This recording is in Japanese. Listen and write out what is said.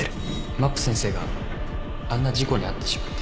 まっぷ先生があんな事故に遭ってしまって